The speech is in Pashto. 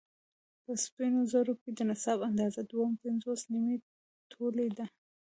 په سپينو زرو کې د نصاب اندازه دوه پنځوس نيمې تولې ده